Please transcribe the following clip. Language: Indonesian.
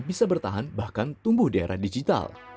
bisa bertahan bahkan tumbuh di era digital